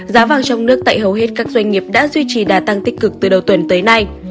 giá vàng trong nước tại hầu hết các doanh nghiệp đã duy trì đà tăng tích cực từ đầu tuần tới nay